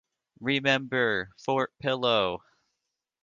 Remember Fort Pillow!